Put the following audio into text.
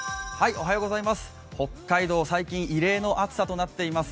北海道、最近、異例の暑さとなっています。